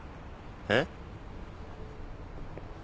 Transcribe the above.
えっ？